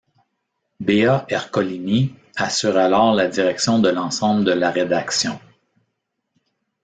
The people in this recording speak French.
Béa Ercolini assure alors la direction de l’ensemble de la rédaction.